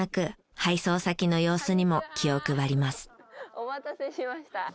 お待たせしました。